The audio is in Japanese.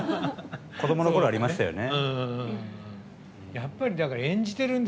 子どものころありましたよね。